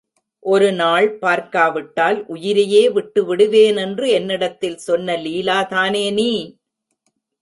ஒரு நாள் பார்க்காவிட்டால் உயிரையே விட்டுவிடுவேனென்று என்னிடத்தில் சொன்ன லீலா தானே நீ?